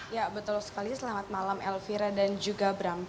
ya betul sekali selamat malam elvira dan juga bram